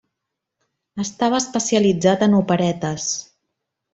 Estava especialitzat en operetes.